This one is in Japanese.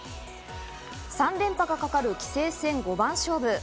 ３連覇がかかる棋聖戦五番勝負。